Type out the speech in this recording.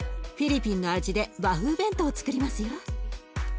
フィリピンの味で和風弁当をつくりますよ。